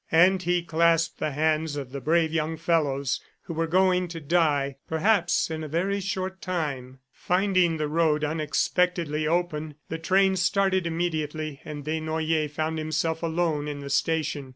And he clasped the hands of the brave young fellows who were going to die, perhaps in a very short time. Finding the road unexpectedly open, the train started immediately and Desnoyers found himself alone in the station.